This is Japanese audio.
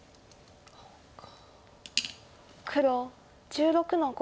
黒１６の五。